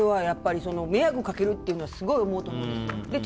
迷惑かけるとはすごく思うと思うんです。